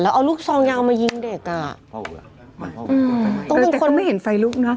แล้วเอาลูกซองยาวมายิงเด็กอ่ะอืมต้องเป็นคนแต่ต้องไม่เห็นไฟลุกน่ะ